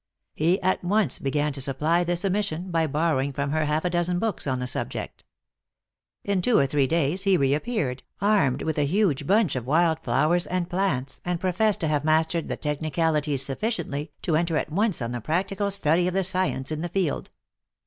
He at once began to supply this omission by borrowing from her half a dozen books on the subject. In two or three days he reappeared, armed with a huge bunch of wild flowers and plants, and professed to have mastered the technicalities sufficiently to enter at once on the practical study of the science in the field.